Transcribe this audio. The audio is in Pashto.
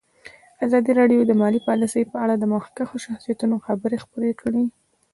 ازادي راډیو د مالي پالیسي په اړه د مخکښو شخصیتونو خبرې خپرې کړي.